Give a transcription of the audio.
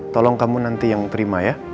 tolong kamu nanti yang terima ya